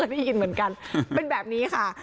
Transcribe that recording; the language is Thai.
ได้ยินเหมือนกันเป็นแบบนี้ค่ะ